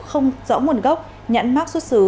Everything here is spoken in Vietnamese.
không rõ nguồn gốc nhãn mát xuất xứ